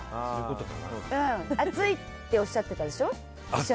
熱いっておっしゃってたでしょ。